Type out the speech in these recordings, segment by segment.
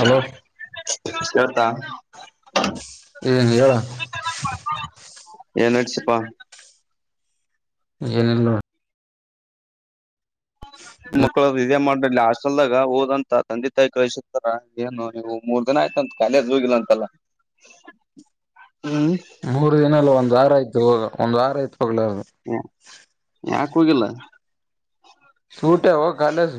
Hello. ಕೇಳುತ್ತ. ಹ್ಮ್ಮ್ ಹೇಳೊ. ಏನ್ ನಡಿಸಿಪ್ಪ. ಏನಿಲ್ಲ ನೋಡ್ ಮಕ್ಕಳರು ಇದೇ ಮಾಡ್ ಹಾಸ್ಟೆಲ್ಡಗಾ ಓದು ಅಂತ ತಂದೆ ತಾಯಿ ಕಲ್ಸಿರ್ತರ ಏನು ನೀವು ಮೂರ್ ದಿನ ಆಯ್ತ ಅಂತ ಕಾಲೇಜ್ ಹೋಗಿಲ್ಲ ಅಂತಲ್ಲ. ಹ್ಮ್ ನಲ್ಲ ಒಂದ್ ವಾರ ಆಯ್ತು ಒಂದ ವಾರ ಆಯ್ ಹ ಯಾಕ ಹೋಗಿಲ್ಲ. ಸೂಟೆವ ಕಾಲೇಜ್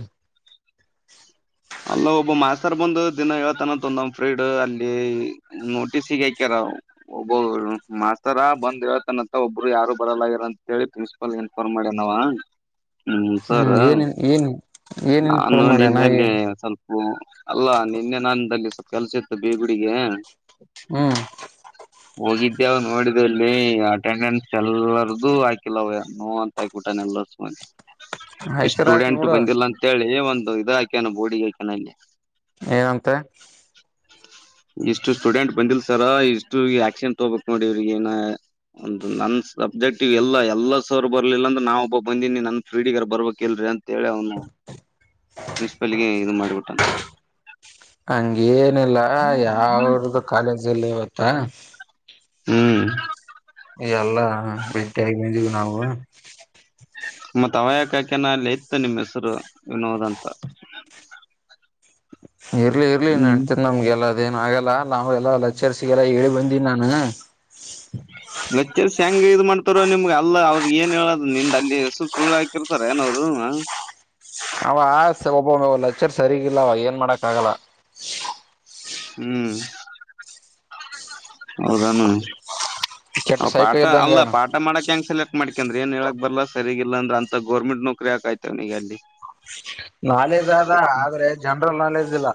ಅಲ್ಲ ಒಬ್ಬ ಮಾಸ್ತರ್ ಬಂದು ದಿನ ಹೇಳ್ತನ ಅಂದ ಫ್ರೀಂಡ್ ಅಲ್ಲಿ ನೋಟಿಸ್ ಹಾಕ್ಯಾರ ಒಬ್ಬ ಮಾಸ್ತರ ಬಂದ್ ಹೇಳ್ತನತ್ತ ಒಬ್ರು ಯಾರು ಬರಲಾಗಿರ ಅಂತ ಹೇಳಿ ಪ್ರಿನ್ಸಿಪಾಲ್ ಇನ್ ರೆಫರ್ ಮಾಡನ್ ಅವ ಹ್ಮ್ ಸರ್ ಏನ್ ಏನ್ ಏನ್ ನಾನು ಇನ್ಫಾರ್ಮ್ ಮಾಡ್ಯನ ನಿನ್ನೆಲ್ಲಿ. ಏನ್ ಓ ಅಲ್ಲಾ ನಿನ್ನೆ ನಂದಲ್ಲಿ ಸ್ವಲ್ ಕೆಲ್ಸ ಇತ್ತು ಬಿಗುಡಿಗೆ. ಹ್ಮ್ ಹೋಗಿದ್ದೆವ ನೋಡಿದ ಇಲ್ಲಿ ಅಟೆಂಡೆನ್ಸ್ ಎಲ್ಲರದು ಹಾಕಿಲ್ಲ ಅವ ನೋ ಅಂತ ಹಾಕಿಬಿಟ್ [unintelligible] ಇಷ್ಟ ಹಾಕಿರ ಹಾಕ್ಲಿ ಸ್ಟೂಡೆಂಟ್ ಬಿಡು ಬಂದಿಲ್ಲ ಅಂತೇಳಿ ಒಂದು ಇದು ಹಾಕ್ಯಾನ ಬೋರ್ಡಿಗೆ ಹಾಕ್ಯಾನ ಅಲ್ಲಿ. ಏನಂತೆ. ಇಷ್ಟು ಸ್ಟೂಡೆಂಟ್ ಬಂದಿಲ್ ಸರ ಇಷ್ಟು ಆಕ್ಷನ್ ತೋಗ್ಬೇಕಕ್ ನೋಡಿ ಇವ್ರಗ ಏನ ಒಂದು ನನ್ ಸಬ್ಜೆಕ್ಟ್ ಇವ್ ಎಲ್ಲ ಎಲ್ಲ ಸರ್ ಬರ್ಲಿಲ್ಲ ಅಂದ್ರ ನಾವವು ಒಬ್ಬ ಬಂದೀನಿ ನನ್ ಫ್ರೀಡಿಗರ್ ಬರ್ಬೇಕಕ್ ಇಲ್ರರಿ ಅಂತ ಅಂತೇಳಿ ಅವನು ಪ್ರಿನ್ಸಿಪಾಲ್ಗೆ ಇದು ಮಾಡ್ಬಿಟ್ಟಾನ ಯಾವ್ರ್ದ ಕಾಲೇಜಿಲ್ಲ ಇವತ್ತ ಹ್ಮ್ ಎಲ್ಲ ಬೆಟಿ ಆಗಿದಿವಿ ನಾವು ಮತ್ತತ್ ಅವಯಕ ಆಕನ ಅಲ್ಲಿ ಇತ್ತು ನಿಮ್ಮ್ ಹೆಸರು ವಿನೋದ್ ಅಂತ ಇರ್ಲಿ ಇರ್ಲಿ ಹ್ಮ್ ನೆಡಿತದೆ ನಮ್ಗೆಲ್ಲ ಅದೇನ ಆಲ್ಲ ನಾವ್ಗೆಲ್ಲಾ ಲಚರ್ಸಿಗೆಲ್ಲ ಹೇಳಿ ಬಂದೀನಿ ನಾನು ಲೆಚ್ಚರ್ಸ್ ಯಾಕ್ ಗ ಇದ ಮಾಡ್ತಾರ ನಿಮ್ಗೆ ಅಲ್ಲ ಅವ್ರಗ್ ಏನ್ ಹೇಳ ನಿಂದ್ ಅಲ್ಲಿ ಹೆಸರು ಸುಳ್ಳು ಹಾಕಿರ್ತಾರ ಏನಾರಾ ಅವ ಆ ಒಬ್ಬೊಮ್ಮೆ ಲೆಚರ್ ಸರಿಗಿಲ್ಲವ ಏನ್ ಮಾಡಕ್ ಆಗಲ್ಲ ಹ್ಮ್ ಹೌದಾನು ಕೆಟ್ಟ ಹ ಪಾಠ ಸೈಕೋ ಅಲ್ಲ ಇದ್ದಂಗನು ಪಾಠ ಮಾಡಕ್ ಹೆಂಗ ಸೆಲೆಕ್ಟ್ ಮಾಡ ಯಾಕಂದ್ರೆ ಏನ್ ಹೇಳಾಕ್ ಬರ್ಲ್ಲ ಸರಿಗಿಲ್ಲ ಅಂದ್ರ ಅಂತ ಗೌರ್ಮೆಂಟ್ ನೌಕರಿ ಯಾಕಾಯಿತು ಅವನಿಗೆ ಅಲ್ಲಿ ನಾಲೆಜ್ ಆದದ ಆದ್ರೆ ಜನರಲ್ ನಾಲೆಜ್ ಇಲ್ಲ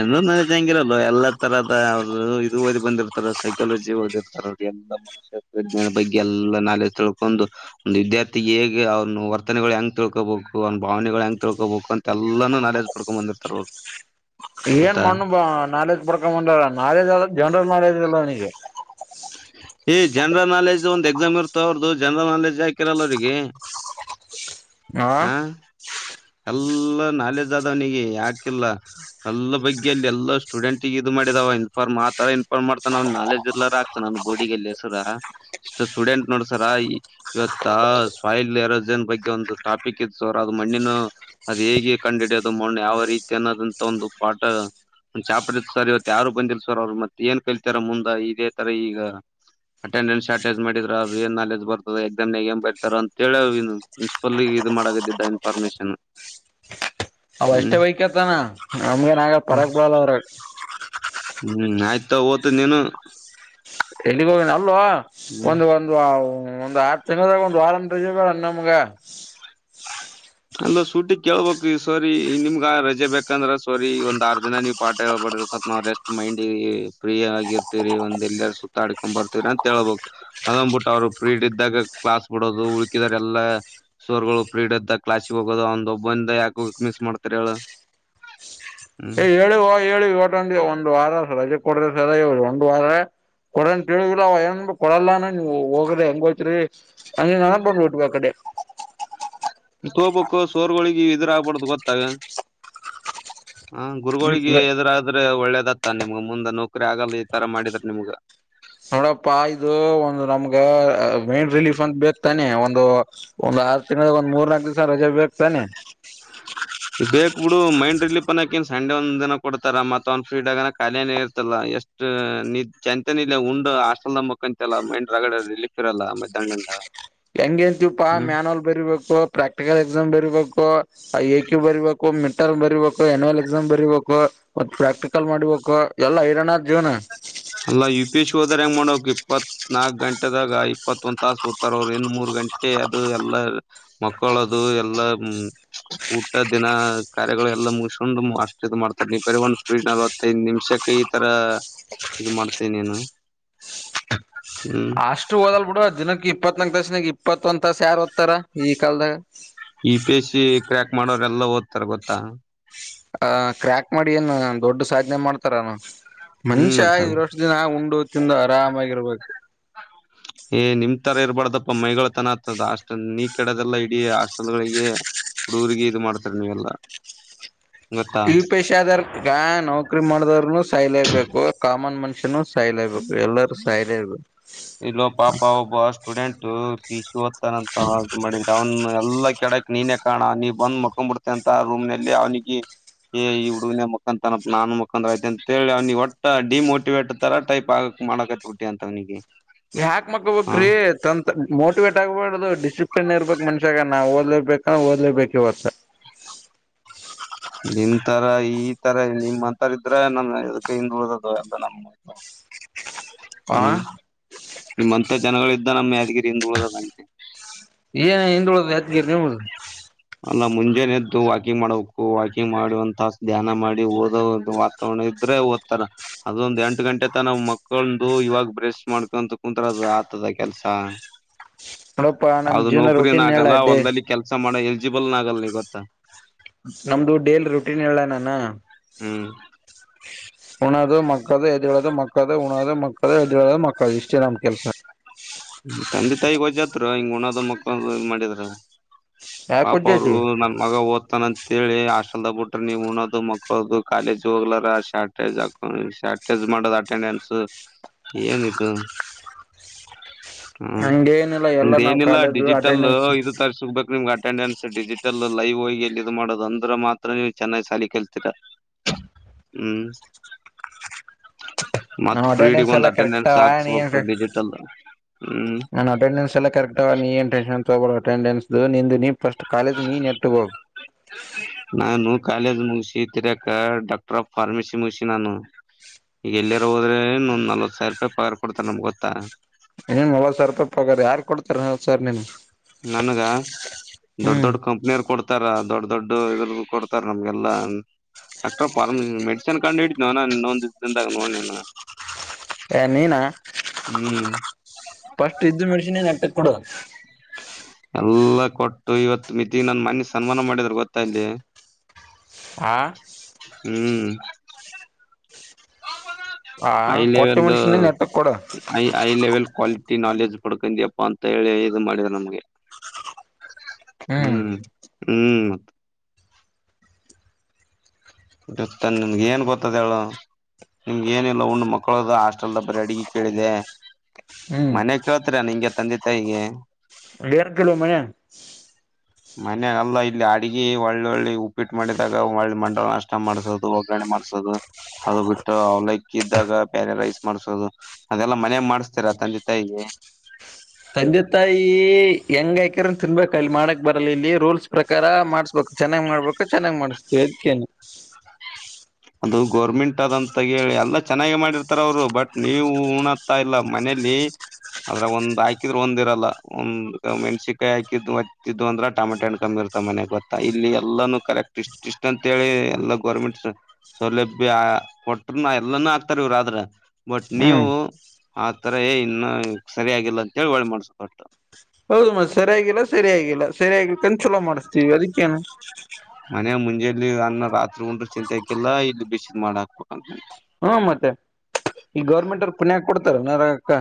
ಎಲ್ಲ ಜನರಲ್ ನಾಲೆಡ್ಜ್ ಎಲ್ಲ ತರದ ಅವ್ರು ಇದು ಓದ್ ಬಂದಿರ್ತಾರ ಸೈಕಾಲಜಿ ಓದಿರ್ತಾರ ಎಲ್ಲ ಮನಯತ್ರಜ್ಞಾನ ಬಗ್ಗೆ ಎಲ್ಲ ನಾಲೆಜ್ ತಿಳ್ಕೊಂಡು ಒಂದು ವಿದ್ಯಾರ್ಥಿ ಹೇಗೆ ಅವ್ರನ್ನು ವರ್ತ ಗಳು ಹೆಂಗ ತಿಳ್ಕೊಬೇಕು ಅವನ ಭಾವನೆಗಳು ಹೆಂಗ ತಿಳ್ಕೋಬೇಕು ಅಂತ ಎಲ್ಲಾನೂ ನಾರೇಜ್ ಪಡ್ಕೊಂಡ್ ಬಂದಿರ್ತಾರ ಅವ್ರು ಏನ್ ಗೊತ್ತಾ ಮಣ್ಣು ಬ ನಾಲೆಜ್ ಪಡ್ಕ ಬಂದ ನಾಲೆಜ್ ಅ ಜನರಲ್ ನಾಲೆಜ್ ಇಲ್ಲ ಅವನಿಗೆ ಏ ಜನರಲ್ ನಾಲೆಜ್ ಒಂದ್ ಎಕ್ಸಾಮ್ ಇರ್ತ ಅವ್ರ್ದು ಜನರಲ್ ನಾಲೆಜ್ ಹಾಕಿರಲ್ಲ ಅವ್ರರಿಗೆ ಹಾ ಎಲ್ಲ ನಾಲೆಜ್ ಆದವನಿಗೆ ಯಾಕಿಲ್ಲ ಎಲ್ಲ ಬಗ್ಗೆ ಅಲ್ಲಿ ಎಲ್ಲ ಸ್ಟೂಡೆಂಟ್ಗ ಇದು ಮಾಡಿದ ಇನ್ಫಾರ್ಮ್ ಆತರ ಇನ್ಫಾರ್ಮ್ವ ನಾಲಜ್ ಇಲ್ದಲೇ ನಾನು ಬೋರ್ಡಿಗೆಲ್ಲಿಸರ ಇಷ್ಟ ಸ್ಟೂಡೆಂಟ್ ನೋಡಸರ ಇವತ್ ಸಾಯಿಲ್ ಏರೋ ಬಗ್ಗೆ ಒಂದು ಟಾಪಿಕ್ ಇತ್ತು ಸ ಅವರ್ ಅದು ಮಣ್ಣಿನ ಅದು ಹೇಗೆ ಕಂಡು ಹಿಡೋದು ಮಣ್ಣ ಯಾವ ರೀತಿ ಅನ್ನೋದಂತ ಒಂದು ಪಾಠ ಚಾಪ್ಟರ್ ಸರ್ ಇವ ಯಾರು ಬಂದಿಲ್ಲ ಸರ್ ಅವ್ರು ಮತ್ತೆ ಏನ್ ಕಲ್ತಾರ ಮುಂದೆ ಇದೇ ತರ ಈಗ ಅಟೆಂಡೆನ್ಸ್ ಅಟೇಜ್ ಮಾಡಿದ್ರರು ಅವ್ರ ಏನ್ ನಾಲೆಜ್ ಬರ್ತದ ಎಕ್ಸಾಮನಾಗೆ ಏನ್ ಬರ್ತಾರ ಅಂತ ಹೇಳ ಪ್ರಿನ್ಸಿಪಲ್ ಇದು ಮಾಡಗದಿದ್ದ ಇನ್ಫಾರ್ಮಶನ್ ಅವ ಅಷ್ಟೇ ವೈಕ್ಯತಾನ ನಮ್ಗೇನ್ ಆಗಲ್ಲ ಪರಕ್ ಬಾಲ್ ಅವರಗ್ ಹ್ಮ್ ಆಯ್ತ ಓತ ನೀನು ಎಲ್ಲಿಗ್ ಹೋಗಿನ ಅಲ್ವ ಒಂದ ಒಂದು ಒಂದು ಆರ್ ತಿಂಗಳ ಒಂದಂದು ವಾರಂ ರಜ ಬೇಡ ಗೆ ಅಂದ ಸೂಟಿ ಕೇಳ್ಬಬೇಕು ಈ ಸರಿ ನಿಮ್ಗ ರಜೆ ಬೇಕಂದ್ರ ಸರಿ ಒಂದ್ ಆರ್ ದಿನ ನೀವ್ ಪಾಠ ಹೇಳ್ಬು ಸತ್ ನಾವ್ ರೆಸ್ಟ್ ಮೈಂಡ್ ಫ್ರೀ ಆಗಿರ್ತತಿವರಿ ಒಂದ್ ಎಲ್ಲರ ಸುತ್ತಾಡ್ಕೊಂಡ್ ಬರ್ತವ್ರರಿ ಅಂತ ಹೇಳ್ಬಬೇಕಕ್ ಅದೊಂದ್ಬಿಟ್ಟು ಅವ್ರು ಫ್ರೀಡ್ ಇದಾಗ ಕ್ಲಾಸ್ ಬಿಡೋದು ಉಳಕಿದಿದ್ದಾರೆ ಎಲ್ಲಾ ಸರಗಳು ಫ್ರೀಡ್ ಇದ್ದಾಗ ಕ್ಲಾಸ್ ಗೆ ಹೋಗೋದ ಒಂದ ಒಬ್ಬಂದ ಯಾಕ ಹೋಗಕ್ ಮಿಸ್ ಮಾಡ್ತಾರ ಹೇಳ ಹ್ಮ್ ಏ ಹೇಳಿವ ಹೇಳಿ ಹೊಟ ಒಂದ್ ವಾರ ರಜೆ ಕೊಡ್ರ ಸರ ಒಂದ್ ವಾರ ಕೊಡಂತೇಳುದಿಲ್ಲ ಅವ ಏನ್ ಕೊಡಲ್ಲಾನ ನೀವು ಹೋಗ್ರ ಹೆಂಗೋಯತ್ರಿ ಅಂದ್ರೆ, ನಾನೇ, ಬಂದು, ಉಟ್ಟುಬೇಕುಅಲ್ಲಿ! [unintelligible] ತೋಗಬೇಕು, ಸೋರ್ಗಳಿಗೆ, ಎದುರು, ಆಗ್ಬಡ್ದು ಗೊತ್ತಾ? [unintelligible] ಹ ಗುರುಗಳಿಗೆ ಎದುರಾದ್ರೆ ಒಳ್ಳೇದತ್ತ ಮ ನಿಮ್ಗ ಮುಂದೆ ನೌಕರಿ ಆಗಲ್ಲ ಈ ತರ ಮಾಡಿದ್ರ ನಿಮ್ಗ ನೋಡಪ್ಪ ಇದು ಒಂದು ನಮ್ಗ ಮೇನ್ ರಿಲೀಫ್ ಅಂತ ಬೇಕ ತಾನೆ ಒಂದು ಒ ಆರು ತಿಂಗಳ ಒಂದ್ ಮೂರ್ನಾಕಕ್ ದಿವ್ಸ ರಜೆ ಬೇಕತಾನನೆ ಹ ಬೇಕಕ್ ಬಿಡು ಮೈಂಡ್ ರಿಲೀಫ ಅನ್ನಕನ್ ಸಂಡೆ ಒಂದ ದಿನ ಕೊಡ್ತಾರ ಮತ್ತ ಅವ್ ಫ್ರೀಡ ಆ ಖಾಲಿಯನೇ ಇರ್ತಲ್ಲ ಎಷ್ಟು ಜನಂತನಲ್ಲ ಉಂಡ್ ಹಾಸ್ಟೆಲ್ ಆಗ ಮುಕ್ಕಂತಲ್ಲ ಮೈಂಡ್ ರರಗಡೆ ರಿಲಫ್ ಇರಲ್ಲ ಮಧ್ಯಾಹ್ನಿಂದ ಹೆಂಗ ಎಂತೀಪಾ ಮ್ಯಾನಲ್ ಬರೀಬೇಕು ಪ್ರಾಕ್ಟಿಕಲ್ ಎಕ್ಸಾಮ್ ಬರೀಬೇಕು ಹೇ, ಯಾಕೆಬಾರಿಬೆಕ್ಕೂ.. [unintelligible] ಮಿಡ್ಟರ್ಮ್, ಬರಿಬೇಕು ಅನ್ಯಲ್ ಎಕ್ಸಾಮ್, ಬರೀಬೇಕು, ಮತ್ತೆ, ಪ್ರಾಕ್ಟಿಕಲ್ ಮಾಡ್ಬೇಕು! ಎಲ್ಲಾ ಇರೋನ, ಜೀವನ. [unintelligible] ಅಲ್ಲ, ಯು, ಪಿ, ಸಿ, ಹೆಂಗು, ಮಾಡಬೇಕು, ಇಪ್ಪತ್. [unintelligible] ನಾಕ್, ಗಂಟೆದಾಗ, ಇಪ್ಪತ್ತು, ಒಂದ್, ತಾಸು ಒತ್ತರು, ಅವರು, ಇನ್ನ, ಮೂರ್ ಗಂಟೆ ಅದು ಎಲ್ಲ, ಮಕ್ಕಳದು! [unintelligible] ಎಲ್ಲ, ಹ್ಮ, ಊಟ ದಿನ ಕಾರ್ಯಗಳು ಎಲ್ಲ ಮುಗಸ್ಕೊಂಡು ಅಷ್ಟು, ಇದು, ಮಾಡ್ತಾರೆ! ನೀನೂ, ಬರಿ, ಒಂದು. [unintelligible] ಸ್ಪೀಡ್, ನಲ್ವತ್ತೈದು, ನಿಮಿಷಕ್ಕೆ, ಇತರ, ಇದು, ಮಾಡ್ತೀಯ, ನೀನು? [inaudible] ಹ್ಮ್ ಅಷ್ಟು ಓದಲ್ ಬಿಡು ದಿನಕ್ಕೆ ಇಪ್ಪತ್ ನಾಲ್ಕುಡಯ್ಸ್, ತಸನಾಗ, ಇಪ್ಪತ್ತು, ಒಂದು, ತಾಸು, ಯಾರು, ಓದತಾರ, ಈ ಕಲ್ದಾಗ! [inaudible] ಮಾಡೋರು, ಎಲ್ಲಾ ಓದ್ತಾರೆ ಗೊತ್ತಾ? [inaudible] ಆ, ಕ್ರ್ಯಾಕ್, ಮಾಡಿ, ಏನು, ದೊಡ್ಡ, ಸಾಧನೆ ಮಾಡ್ತಾರಾನು. [unintelligible] ಹ್ಮ್ ಮನುಷ್ಯ, ಮತ್ತ ಇರೋಸ್ಟುಧೀನ, ಉಂಡು ತಿಂದು ಆರಾಮಾಗಿರ್ಬೇಕು. [unintelligible] ಏ, ನಿಮ್ ತರ ಇರ್ಬಾರ್ದಪ್ಪ, ಮೈಗಳತನ ಆತದ, ಆಸ್ಟೆಲ್ ನೀ, ಕೆಡಧುಯಲ್ಧೆ! ಇಡೀ ಹಾಸ್ಟೆಲ್ ಗಳಿಗೆ. [inaudible] ಹುಡುಗರಿಗೆ, ಇದು, ಮಾಡ್ತಾರೆ, ನೀವೆಲ್ಲಾ! [inaudible] ಯುಪಿಎಸ್ಸಿ, ಆದರ್ ಈಗ, ನೌಕ್ರರಿ ಮಾಡದವ್ರನು ಸಾಯಲೈ, ಬೇಕು ಕಾಮನ್ ಮನುಷ್ಯನು. [unintelligible] ಸಾಯಲೇ, ಬೇಕು, ಎಲ್ಲರೂ, ಸಾಯಿಲೆ, ಬೇಕು, ಹಾ. [inaudible] ಇಷ್ಟು, ಓದ್ತಾನಂತ, ಅರ್ಗೀವ್, ಮಾಡಿದರೆ, ಅವನ್, ಎಲ್ಲಾ ಕೆಡಕ್ ನೀನೇ ಕಾಣ ನೀನು ಬಂದು, ಮಕ್ಕೋಬೀಡು, ಬಿಡ್ತಯ ಅಂತ, ರೂಮ್. [inaudible] ಒಟ್ಟಿನಲ್ಲಿ, ಅವನಿಗೆ? [inaudible] ಏ, ಈ ಹುಡುಗನ ಮುಖಾಂತನ ನಾನನ್ ಮುಖಾಂತ, ಐತೆ ಅಂತ ಹೇಳಿ ಅವ್ನಿಗೆ, ಒಟ್ಟ ಡಿಮೋಟಿವೇಟ್. [inaudible] ಒಣ್ಣುತರ, ಟೈಪ್, ಆಗಕ್, ಮಾಡಕಟ್, ಬಿಟಿ ಅಂತ್ನಿಗೆ. [inaudible] ಯಾಕ್, ಮಕ್ಳ, ಬಿಟ್ರಿ, ತಂದು, ಮೋಟಿವೇಟ್ ಆಗ್ಬಾರಡ್ದು, ಡಿಸಿ. [unintelligible] ಒಂಥುರನೇ, ಇರ್ಬೇಕ್, ಮನುಷ್ಯಾಗ ನಾವು ಓದ್ಬೇಕ, ಓದ್ಲೇಬೇಕು ಇವತ್ತು. [unintelligible] ನಿಮ್ಮು, ತರ ಈ ತರ ನಿಮ್ಯಾನುತೋರು, ಅಂತರ ಇದ್ರೆ, ಅದುಕ್ಕೆ, ಹಿಂಗು, ಓಡಧು, ಅಂತ, ನಮ್ಮ, ಅಮ್ಮ. [inaudible] [inaudible] [unintelligible] ಆ ಹ್ಮ್, ನಿಮ್ಮಂತ ಜನಗಳು, ಇದ್ದ ನಮ್ಮ ಯಾದಗಿರಿ, ಹಿಂದು, ಉಳಿಧಧ್ಯಾಧುಕೆ. [unintelligible] ಏನ್, ಹಿಂದುಳುದು, ಯಕ್ನಿರುನವುಧು. [unintelligible] ಅಲ್ಲ, ಮುಂಜೆನೆ ಎದ್ದು! ವಾಕಿಂಗ್ ಮಾಡಬೇಕು ವಾಕಿಂಗ್, ಮಾಡಿ, ಒಂದುತ್ತಶು, ಧ್ಯಾನ, ಮಾಡಿ, ಓದೋ ವಾತಾವರಣ ಇದ್ದು. [unintelligible] [unintelligible] ಅದೇ, ಓದ್ತಾರ, ಅದೊಂದ, ಎಂಟು, ಗಂಟೆ, ತನಕ, ಮೊಕೊಂಡು, ಇವಾಗ, ಬ್ರೆಶ್ ಮಾಡ್ಕೊಂತ, ಕುಣುತ್ತಾರೆ, ಅದು, ಆತದ. [unintelligible] ಅದೇ, ಕೆಲ್ಸ, ನೋಡಪ್ಪಾ ನಮ್ ಯಾವ್ದು, ಜೀವನ ನಾವ್ಕೈನೂ ರೊಟೀನ್ ಹೇಳ ಆಗಲ್ಲ, ಡೇ ಹೊಲ್ದಲ್ಲಿ ಕೆಲ್ಸ ಮಾಡೋ! [unintelligible] ತ್ರಿಬಲ್ ನಾಗರಳ್ಳಿ ಗೊತ್ತಾ? [unintelligible] ನಮ್ದು, ದುಡ್ಡು, ಡೈಲಿರೋಟಿನ್, ಎಲ್ಲಾ, ನಾನು. [unintelligible] ಹ್ಮ್. [unintelligible] ಉಣದು, ಮಕ್ಕದು, ಎದ್ದಳೋದು, ಮಕ್ಕದು, ಉಣದು, ಮಕ್ಕದು, ಎದ್ದಳೋದು, ಮಾಕೋಧು, ಇಷ್ಟೇ, ನಾನು, ಕೆಲ್ಸ. [unintelligible] ನಿಮ್, ತಂದೆ, ತಾಯಿ, ಗೊಥುವಾಗುತುರೋ, ಹಿಂಗು, ಉಣದು, ಮುಕ್ಕೋಧು, ಮಾಡಿದ್ರೆ. [unintelligible] ಯಾಕ ಪಾಪ, ಅವರು, ಉಜ್ಜೈತಿ ನನ್ ಮಗ ಓದ್ತಾನಂತ? [inaudible] ಕೇಳಿ, ಹಾಸ್ಟೆಲ್ನಗಬಿಟ್ರೆ, ನೀವು, ಉನೋಧು, ಮುಕ್ಕೊಲೋಧು, ಕಾಲೇಜ್ ಹೋಗಲಾರ, ಸಾಲುಟೇಜ್, ಹಾಕೊಂಡು, ಸಾಲುಟೇಜ್. [inaudible] ಇಧುಮಾಡೋದು, ಅಟೆಂಡನ್ಸ್, ಏನ್, ಇದು. [unintelligible] ಹ್ಮ, ಹಂಗೇನಿಲ್ಲ ನಿಮ್ದ, ಎಲ್ಲಾ ನಾವ್ ಏನಿಲ್ಲಾ ಕಾಲೇಜು ಡಿಜಿಟಲ್ ಅಟೆಂಡೆನ್ಸ್ ಇದು ತರಿಸಗ್ಬೇಕು, ನಿಮ್ಗ, ಅ. [inaudible] ಅಟೆಂಡೆನ್ಸ್, ಡಿಜಿಟಲ್, ಲೈವ್, ಹೋಗಿ! ಎಲಿಯೋಗಿ, ಮಾಡೋದು! ಅಂದ್ರೆ, ಮಾತ್ರ ನೀವು ಚೆನ್ನಾಗಿ, ಸಾಲ, ಕೇಳುತ್ತೀರಾ. [inaudible] ಹ್ಮ್. [unintelligible] ಮತ್, ನಮ್ ತ್ ಪ್ರ್ರೀಡಗ್, ಅಟೆಂಡೆನ್ಸ್ ಒಂದು, ಎಲ್ಲಾ ಕರೆಕ್ಟ್ ಅಟೆಂಡೆನ್ಸ್ ಹಾಕ್ಸ್ಬೇಕು, ಡಿಜಿಟಲ್. [unintelligible] ನಾನು, ಅಟೆಂಡೆನ್ಸ್, ಎಲ್ಲ ಕರೆಕ್ಟ್, ನೀನ್, ಟೆನ್ನ್ ತಗೋ, ಅಟೆಂಡೆನ್ಸ್, ನೀನು. [inaudible] ಸ್ಷ್ಟ ಕಾಲಜ ನೀ ನೆಟ್ಟು ಬೋಗ ನಾನು ಕಾಲೇಜ್ ಮುಗಿಸಿ ತಿರಕ ಡಾಕ್ಟರ್ ಆಫ್ ಫಾರ್ಮಸಿ ಮುಗಿಸಿ ನಾನು ಈಗ ಎಲ್ಲಿಯರ ಹೋದ್ರೆ! ಇನಲ್ವತ್, ಸಾವಿರ ರೂಪಾಯಿ, ಪವಾರ್, ಕೊಡ್ತಾರೆ! ನಮಗೆ ಗೊತ್ತಾ? [inaudible] ತಗೊಳ್ಳಿ, ಯಾರುಕೊಡುತ್ತಾರೆ, ಹತ್ತುಸಾವಿರ, ನೀನು. [unintelligible] ನನ್ಗ, ದೊಡ್ಡ ಹ್ಮ್ ದೊಡ್ಡ ಕಂಪ್ನಿಯರ್ ಕೊಡ್ತಾರ ದೊಡ್. [unintelligible] ದೊಡ್ಡ, ಇದರು, ಕೊಡ್ತಾರೆ ನಮ್ಗೆಲ್ಲಾ! [inaudible] ಡಾಕ್ಟ್ರ, ಪರು, ಮೆಡಿಸಿನ್ ಕಂಡ್ ಹಿಡಿಯತಿನಿ ಇನ್ನೊಂದಾಗ, ನೋಡ ನೀನು. [inaudible] ಹೇ, ನೀನಾ, ಹ್ಮ್ ಫಸ್ಟ್, ಇದ್ದು, ಮೆಡಸಿನ್, ನೆಟ್ಟಗೆ, ಕೊಡು. [unintelligible] ಎಲ್ಲ, ಕೊಟ್ಟು, ಇವತ್ ಮಿತಿ ನನ್, ಮೋನಿ ಸನ್ಮಾನ, ಮಾಡಿದ್ರರು, ಗೊತ್ತಾ, ಇಲಿ. ಆ [inaudible] ಹ್ಮ್... [unintelligible] ಆ ಹೈ ಕೊಟ್ಟ ಲೆವೆಲ್ ಮೆಣಸಿನ ನೆಟ್ಟಕ್ ಕೊಡು ಹೈ ಲೆವೆಲ್ ಕ್ವಾಲ ನಾಲೆಜ್ ಪಡ್ಕೊಂಡಿಪ್ಪಾ ಅಂತ ಹೇಳಿ ಇ ಮಾಡಿದ ನಮ್ಗೆ ಹ್ಮ್ ಹ್ಮ್ ಇತ ನಿಮ್ಗೆ ಏನ್ ಗೊತ್ತದ ಹೇಳು ನಿಮ್ಗ ಏನಿಲ್ಲ ಉಂಡ್ ಮಕ್ಕಳದ ಹಾಸ್ಟೆಲ್ದ ಬರೀ ಅಡಗೆ ಕೇಳಿದೆ ಹ್ಮ್ ಮನೆ ಕೇತರ ನಿಂಗೆ ತಂದೆ ತಾಯಗೆ ಎೇರ್ ಕಲೋ ಮನ ಮನ ಅಲ್ಲ ಇಲ್ಲಿ ಅಡ್ಗ ಒಳ್ಳಳ್ಳೆ ಉಪ್ಪಿಟ್ಟು ಮಾಡಿದಾಗ ಒಳ್ಳೆ ಮಂಡಲ ನಷ್ಟ ಮಾಡ್ಸೋದು ಹೋಗೋಣ ಮಾಡ್ಸೋದು ಅದು ಬಿಟ್ಟು ಅವಲೈಕ್ಕ ಇದ್ದಾಗ ಪ್ಯಾರಿ ರೈಸ್ ಮಾಡ್ಸೋದು ಅದೆಲ್ಲಾ ಮನೆ ಮಾಡಿಸತರ ತಂದೆ ತಾಯಿಗೆ ಹ ತಂದೆ ತಾಯಿ ಹೆಂಗ ಯನ್ ತಿನ್ಬೇಕ ಅಲ್ಲಿ ಮಾಡಕ್ ಬರಲ್ಲ ಇಲ್ಲಿ ರೂಲ್ಸ್ ಪ್ರಕಾರ ಮಾಡ್ಸ್ಬೇಕು ಚೆನ್ನಾಗ್ ಮಾಡ್ಬೇಕು ಚೆನ್ನ್ ಮಾಡಿಸತು ಅದೇನು ಹ ಅದು ಗೌರ್ಮೆಂಟ್ ಅದಂತ ಹೇಳಿ ಎಲ್ಲ ಚೆನ್ನಾಗಿ ಮಾಡಿರ್ತಾರ ಅವರು ಬಟ್ ನೀವು ಉಣತಾ ಇಲ್ಲ ಮನೆ ಲ್ಲಿ ಅದ್ರೆ ಒಂದ್ ಹಾಕಿದ್ರೆ ಒಂದಿರಲ್ಲ ಒಂದ್ ಮೆಣಸಿಕಾಯಿ ಹಾಕಿದ್ ಹತ್ತಿದ್ ಅಂದ್ರ ಟಮೆಟ ಹಣ್ಣ್ ಕಮ್ಮಿರ್ತ ಮನೆಯ ಗೊತ್ತಾ ಇಲ್ಲಿ ಎಲ್ಲಾನೂ ಕಲೆಕ್ಟ್ ಇಷ್ಟ ಇಷ್ಟ ಅಂತ ಹೇಳಿ ಎಲ್ಲಾ ಗೋರ್ಮೆಂಟ್ ಸೌಲಭ್ಯ ಕೊಟ್ರನ ಎಲ್ಲಾನೂ ಆಕ್ತಾರ ಇವ್ರ ಆದ್ರ ಬಟ್ ನೀವು ಹ್ಮ್ ಆತರ ಏ ಇನ್ನು ಸರಿಯಾಗಿಿಲ್ಲ ಅಂತೇಳಿ ಒಳೆ ಮಾಡಸ ಹೊಟ್ಟು ಹೌದು ಮ ಸರಿಯಾಗಿಲ್ಲ ಸರಿಯಾಗಿಲ್ಲ ಸರಿಯಾಗಿ ಕ ಚಲೋ ಮಾಡಿಸತೀವಿ ಅದಕ್ಕೇನು ಮನ ಮುಂಜಾಯಲ್ಲಿ ಅನ್ನ ರಾತ್ರಿ ಉಂಡ್ರರು ಚಂತೆಕಲ್ಲಾ ಇಲ್ಲಿ ಬಿಸಿದ್ ಮಾಡಾಕು ಹ್ಮ ಮತ್ತೆ ಈಲ್ಲಿ ಗೌರ್ಮೆಂಟ್ ಅವ್ರ ಕೊನಯಾಗ ಕೊಡ್ತಾರನರಗಕ್ಕ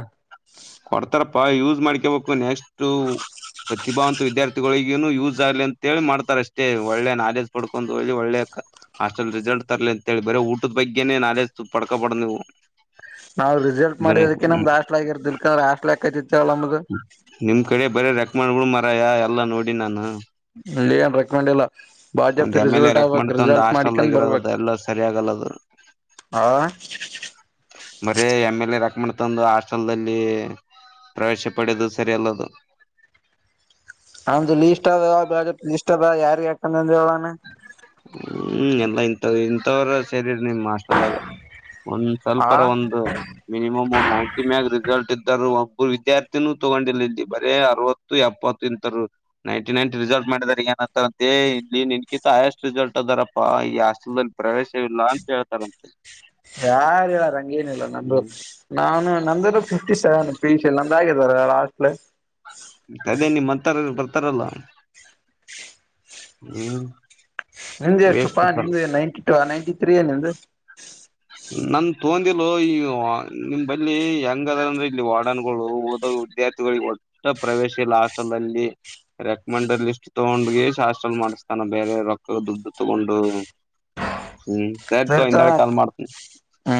ಕೊಡ್ತಾರಪ್ಪಾ ಯೂಸ್ ಮಾಡ್ಕೊಬೇಕು ನೆಕ್ಸ್ಟ್ ಪ್ರತಿಭಾವಂತ ವಿದ್ಯಾರ್ಥಿಗಳಿಗನು ಯೂಸ್ ಆಗ್ಲಿ ಅಂತೇಳಿ ಮಾಡ್ತಾರೆ ಅಷ್ಟೇ ಒಳ್ಳೆ ನಾಲೆಜ್ ಪಡ್ಕೊಂಡು ಹೇಳಿ ಒಳ್ಳೆ ಹಾಸ್ಟೆಲ್ ರಿಸಲ್ಟ್ ತರ್ಲಿ ಅಂತೇಳಿ ಬರ ಊಟದ ಬಗ್ಗೆೇ ನಾಲೆಜ್ ಪಡ್ಕೋಬಾರ್ದ್ ನೀವು ನಾವವು ರಿಸಲ್ಟ್ ಬರೀ ಮಾಡಿದಕ್ಕೆ ನಮ್ದು ಹಾಸ್ಟ್ಲ್ ಆಗಿರ್ದಲ್ಕಂದ್ರೆ ಹಾಸ್ಟ್ಲ್ ಯಾಕತಿತ್ತವಳ ನಮ್ದು ನಿಮ್ ಕಡೆ ಬರ ರೆಕ್ ಮಾಡ್ಗಳು ಮರಯ ಎಲ್ಲ ನೋಡಿ ನಾನು ಇಲ್ಲ ಏನ್ ರೆಕಡ್ಲ್ಲ ಒಂದ್ ಬಾಜ್ಯಾಪತಿ ಎಮ್ ಎಲ್ ಎ ರಿಸಲ್ಟ್ ರೆಕ್ ಆಗ್ಬಕ್ ಮಾಡ್ತಂದ ರಿಸಲ್ಟ್ ಮಾಡಕೊಂಡ ಹಾಸ್ಟೆಲ್ದಾಗ ಇರೋದ ಬರ್ಬೇಕಕ್ ಎಲ್ಲ ಸರಿ ಆಗಲ್ಲದು ಆಾ ಬರ ಎಮ್ ಎಲ್ ಎ ರಕಮಂಡ್ ತಂದು ಹಾಸ್ಟೆಲ್ಲ್ಲಿ ಪ್ರವೇಶಪಡದು ಸರಿಯಲ್ಲದು ಅಮ ಲ ಇಷ್ಟ ಅದ ಲ ಅದ ಯಾರ ಹ್ಮ್ ಎಲ್ಲ ಇಂಥವ ಇಂಂತವರು ಸೇರಿ ನಿ್ ಮಾಸ್ಟರ್ದಾಗ ಒಂದ್ ಆ ಸ್ವಪರ ಒಂದು ಮಿನಿಮಮ್ ಒಂದ್ ನೈಂಟಿ ಮ್ಯಾಗ ರಿಸಲ್ಟ್ ಇದ ಒಬ್ಬರು ವಿದ್ಯಾರ್ಥಿನೂ ತಗೊಂಡಿಲ್ಲ ಇಲ್ಲಿ ಬರೇ ಅರವತ್ತು ಎಪ್ಪತ್ತು ಇಂತರು ನೈನ್ಟಿ ನೈನ್ಟ ರಿಸಲ್ಟ್ ಮಾಡಿದಾರ ಏನಂತಂತೆ ಇಲ್ಲಿ ನಿನ್ಕಿಂತ ಹಯಸ್ಟ್ ರಿಸಲ್ಟ್ ಅದಾರಪ್ಪಾ ಈ ಹಸ್ಟಲ್ಲ್ಲಿ ಪ್ರವೇಶ ಇಲ್ಲ ಅಂತ ಹೇಳ್ತಾರಂತೆ ಯಾರ ಹೇಳ ರಂಗೇನ ಇಲ್ಲ ನಂದು ಹ್ಮ್ ನಾನು ನಮ ಫಿಫ್ಟಿ ಸೆವೆನ್ ಪಿ ಸಿ ನಮ ಆಗಿದಿದ್ದಾರೆ ಲಾಸ್ಟ್ ಅದೇ ನಿಮ್ ಅಂತಾರ ಬರ್ತಾರಲ್ಲ ಹ್ಮ್ ನಿಂದ ಎಷ್ಟು ವೇಸ್ಟ್ ಪಾ ಪಲ್ ನಿಂದ ನೈಂಟಿ ಟೂ ನೈಂಟಿ ತ್ರೀಯ ನಿ್ದ ನನ್ ತೊಂದಿಿಲ್ಲ ಈ ನಿಮ್ಲ್ಲಿಿ ಹೆಂಗದಾರಂದ್ರೆ ಇಲ್ಲಿ ವಾಡನ್ಗಳು ಹಓದ ವಿದಾರ್ಥಗಳಿಗೆ ಒಟ್ಟ ಪ್ರವೇಶ ಇಲ್ಲ ಹಸ್ಟಲ್ಲ್ಲಿ ರೆಕಮಂಡ್ ಲಿಸ್ಟ್ ತಗೊಂಡ್ ಹಾಸ್ಟೆಲ್ ಮಾಡಿಸ್ತಾನ ಬೇರೆ ರೊಕ್ಕ ದುಡ್ಡು ತಗೊಂಡು ಹ್ಮ್ ಸಯ್ತು ಹಿಂದಡೆ ಕಾಲ್ ಮಾಡ್ತೀನಿ ಹಾ